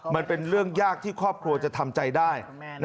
มันเป็นเรื่องยากที่ครอบครัวจะทำใจได้